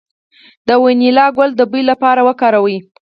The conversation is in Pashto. د وانیلا ګل د بوی لپاره وکاروئ